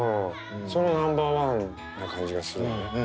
そのナンバーワンな感じがするのね。